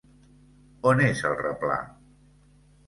On és el replà?